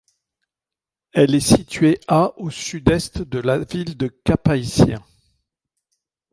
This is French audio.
Elle est située à au sud-est de la ville de Cap-Haïtien.